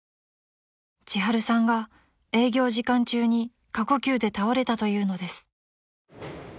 ［ちはるさんが営業時間中に過呼吸で倒れたというのです］